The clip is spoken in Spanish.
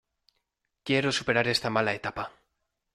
Quiero superar esta mala etapa.